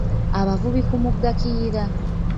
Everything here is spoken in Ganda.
Avubira ku mugga Kiyira.